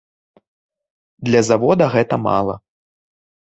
Для завода гэта мала.